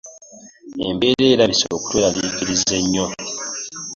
Embeera erabise okutweraliikiriza ennyo.